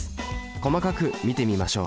細かく見てみましょう。